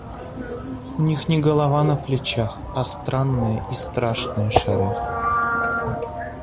У них не голова на плечах, а странные и страшные шары.